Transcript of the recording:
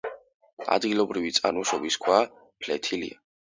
ადგილობრივი წარმოშობის ქვა ფლეთილია.